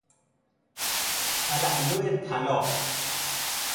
تلالو طلا